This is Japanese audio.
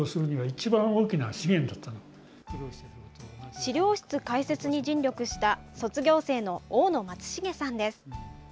資料室開設に尽力した卒業生の大野松茂さんです。